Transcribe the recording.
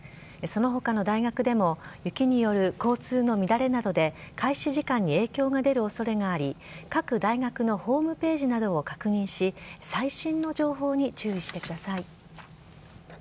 そのほかの大学でも、雪による交通の乱れなどで、開始時間に影響が出るおそれがあり、各大学のホームページなどを確認し、最新の情報に注意してください。